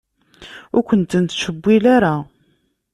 Ur kent-nettcewwil ara.